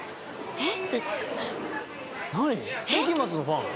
えっ？